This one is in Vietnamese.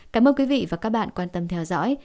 cảm ơn quý vị và các bạn quan tâm theo dõi